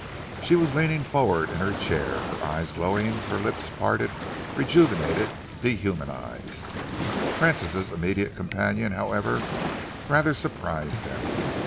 She was leaning forward in her chair, her eyes glowing, her lips parted, rejuvenated, dehumanised. Francis' immediate companion, however, rather surprised him.